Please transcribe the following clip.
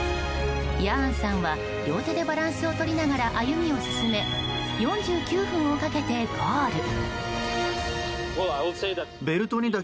ヤーンさんは両手でバランスを取りながら歩みを進め４９分をかけてゴール。